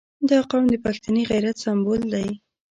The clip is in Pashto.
• دا قوم د پښتني غیرت سمبول دی.